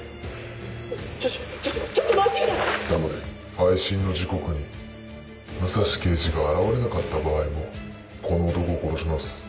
配信の時刻に武蔵刑事が現れなかった場合もこの男を殺します。